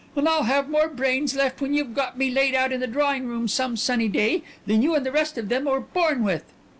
"And I'll have more brains left when you've got me laid out in the drawing room some sunny day than you and the rest of them were born with."